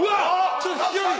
ちょっと飛距離！